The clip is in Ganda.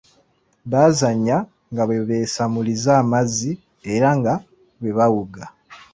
Baazanya nga bwe beesammuliza amazzi era nga bwe bawuga.